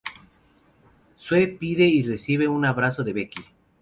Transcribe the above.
Sue pide y recibe un abrazo de Becky.